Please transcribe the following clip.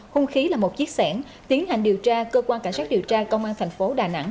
hung khí là một chiếc sản tiến hành điều tra cơ quan cảnh sát điều tra công an thành phố đà nẵng